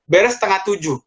beres setengah tujuh